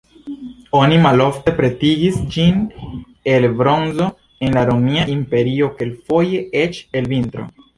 Oni malofte pretigis ĝin el bronzo, en la Romia imperio kelkfoje eĉ el vitro.